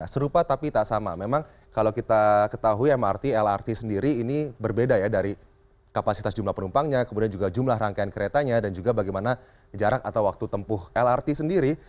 serupa tapi tak sama memang kalau kita ketahui mrt lrt sendiri ini berbeda ya dari kapasitas jumlah penumpangnya kemudian juga jumlah rangkaian keretanya dan juga bagaimana jarak atau waktu tempuh lrt sendiri